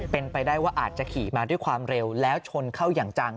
เป็นไปได้ว่าอาจจะขี่มาด้วยความเร็วแล้วชนเข้าอย่างจัง